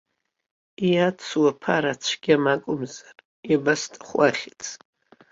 Иацу аԥара цәгьам акәымзар, иабасҭаху ахьӡ.